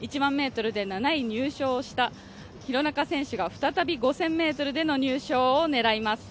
１００００ｍで７位入賞をした廣中選手が再び５０００ｍでの入賞を狙います。